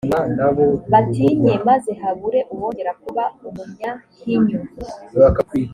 batinye, maze habure uwongera kuba umunyahinyu.